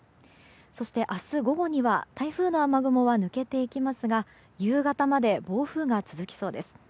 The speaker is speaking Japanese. そして、明日午後には台風の雨雲は抜けていきますが夕方まで暴風が続きそうです。